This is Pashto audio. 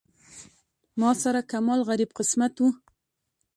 ما سره کمال غریب قسمت و.